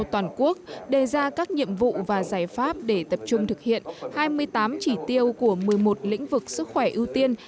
toàn quốc đề ra các nhiệm vụ và giải pháp để tập trung thực hiện hai mươi tám chỉ tiêu của một mươi một lĩnh vực sức khỏe ưu tiên